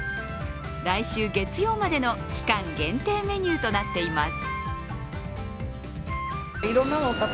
来週月曜までの期間限定メニューとなっています。